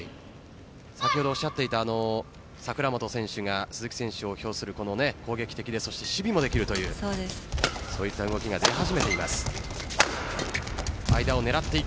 先ほどおっしゃっていた櫻本選手が鈴木選手を評する攻撃的で守備もできるという動きが出始めています。